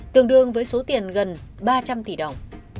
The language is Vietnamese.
tương đương với số tiền gần ba trăm linh tỷ đồng